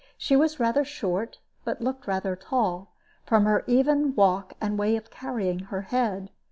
She was rather short, but looked rather tall, from her even walk and way of carrying her head.